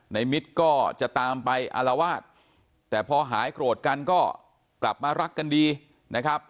มิตรก็จะตามไปอารวาสแต่พอหายโกรธกันก็กลับมารักกันดีนะครับ